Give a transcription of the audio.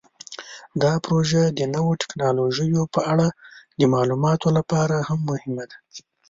دا پروژه د نوو تکنالوژیو په اړه د معلوماتو لپاره هم مهمه ده.